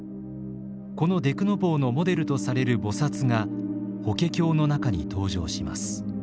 このデクノボーのモデルとされる菩薩が「法華経」の中に登場します。